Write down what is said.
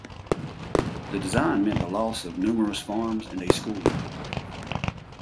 The design meant the loss of numerous farms and a school.